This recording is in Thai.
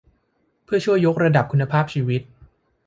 เพื่อช่วยยกระดับคุณภาพชีวิต